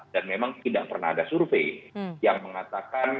dan memang tidak pernah ada survei yang mengatakan